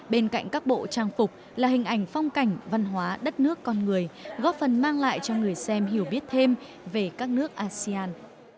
bên cạnh các bộ trang phục là hình ảnh phong cảnh văn hóa đất nước con người góp phần mang lại cho người xem hiểu biết thêm về các nước asean